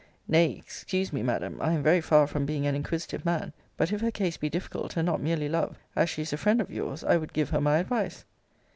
Nay, excuse me, Madam, I am very far from being an inquisitive man. But if her case be difficult, and not merely love, as she is a friend of your's, I would give her my advice.